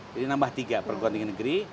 kita punya tiga perguruan tinggi negeri